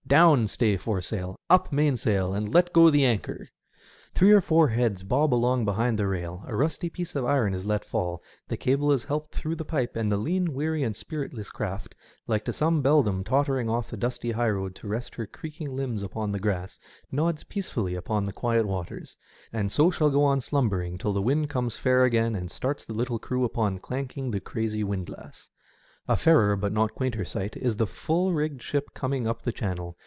down stay foresail ! up main^il, and let go the anchor ! Three or four heads bob along behind the rail, a rusty piece of iron is let fall, the cable is helped through the pipe, and the lean, weary, and spiritless craft, like to some beldame tottering off the dusty high road to rest her creaking limbs upon the grass, nods peacefully upon the quiet waters, and so shall go on slumbering till the wind comes fair again and starts the little crew upon clanking the crazy wind lass. A fairer, but not a quainter, sight is the full rigged ship coming up Channel.